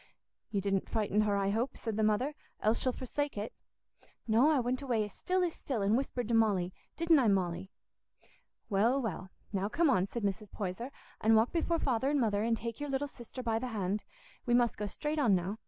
"You didn't frighten her, I hope," said the mother, "else she'll forsake it." "No, I went away as still as still, and whispered to Molly—didn't I, Molly?" "Well, well, now come on," said Mrs. Poyser, "and walk before Father and Mother, and take your little sister by the hand. We must go straight on now.